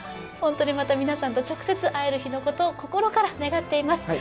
ホントにまた皆さんと直接会える日のことを心から願っています